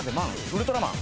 ウルトラマン。